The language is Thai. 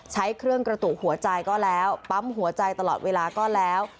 ใช้เครื่องกระตุกหัวใจก็แล้วปั๊มหัวใจตลอดเวลาก็แล้ว